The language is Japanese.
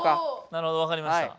なるほどわかりました。